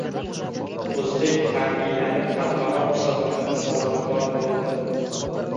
O‘zbek harbiylari xalqaro musobaqada sovrindor bo‘ldi